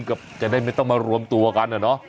ก็จะได้ไม่ต้องมารวมตัวกันอะเนาะ